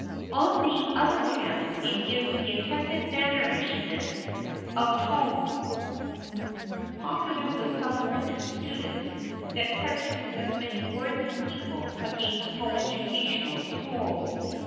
On the other hand it is the attempted mannishness of tone popular with some women students that prejudices many worthy people against coeducational schools.